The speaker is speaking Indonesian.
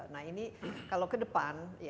nah ini kalau ke depan